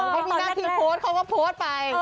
เขามีหน้าที่โพสต์เขาก็โพสต์ไป